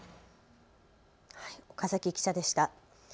岡崎記者でした。